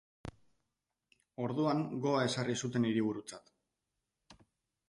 Orduan Goa ezarri zuten hiriburutzat.